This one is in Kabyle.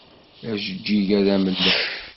Ajeǧǧig-a d amellal.